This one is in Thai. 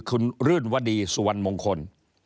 คุณรื่นวดีสุวรรณมงคล